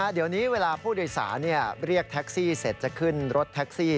เดี๋ยวนี้เวลาผู้โดยสารเรียกแท็กซี่เสร็จจะขึ้นรถแท็กซี่